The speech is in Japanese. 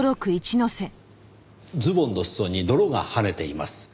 ズボンの裾に泥がはねています。